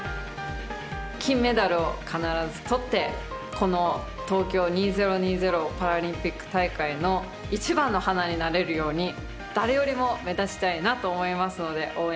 金メダルを必ずとってこの、東京２０２０パラリンピック大会の一番の花になれるように誰よりも目立ちたいなと思いますので応援